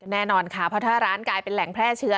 แน่นอนค่ะเพราะถ้าร้านกลายเป็นแหล่งแพร่เชื้อ